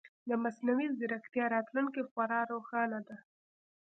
د مصنوعي ځیرکتیا راتلونکې خورا روښانه ده.